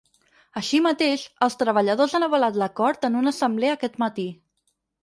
Així mateix, els treballadors han avalat l’acord en una assemblea aquest matí.